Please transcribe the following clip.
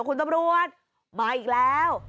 คุณตำรวจมาอีกแล้ว